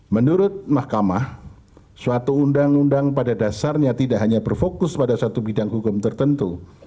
menurut mahkamah suatu undang undang pada dasarnya tidak hanya berfokus pada satu bidang hukum tertentu